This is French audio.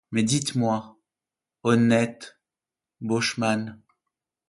Mais dites-moi, honnête bushman